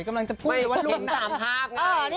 กำลังจะพูดแบบไม่เห็นตามภาพ